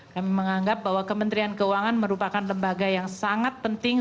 kami menganggap bahwa kementerian keuangan merupakan lembaga yang sangat penting